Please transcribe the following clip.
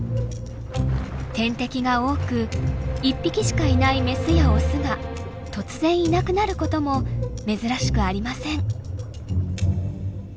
天敵が多く一匹しかいないメスやオスが突然いなくなることも珍しくありません。